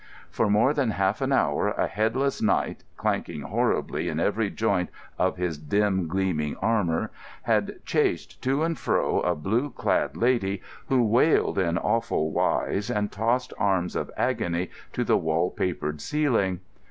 For more than half an hour a headless Knight, clanking horribly in every joint of his dim gleaming armour, had chased to and fro a blue clad Lady, who wailed in awful wise and tossed arms of agony to the wall papered ceiling.